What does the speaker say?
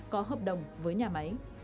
có hợp đồng với nhà máy